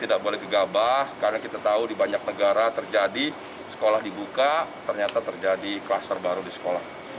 tidak boleh gegabah karena kita tahu di banyak negara terjadi sekolah dibuka ternyata terjadi kluster baru di sekolah